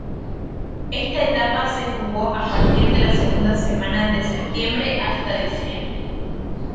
Esta etapa se jugó a partir de la segunda semana de septiembre hasta diciembre.